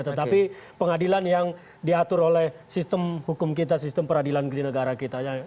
tetapi pengadilan yang diatur oleh sistem hukum kita sistem peradilan di negara kita